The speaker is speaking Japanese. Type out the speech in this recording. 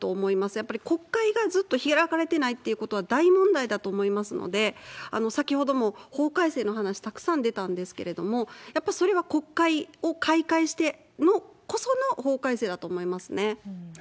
やっぱり国会がずっと開かれてないってことは大問題だと思いますので、先ほども法改正の話たくさん出たんですけれども、やっぱそれは国会を開会してこその法改正だと思いますね。